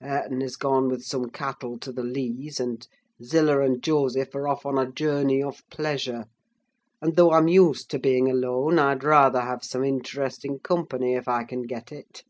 Hareton is gone with some cattle to the Lees, and Zillah and Joseph are off on a journey of pleasure; and, though I'm used to being alone, I'd rather have some interesting company, if I can get it.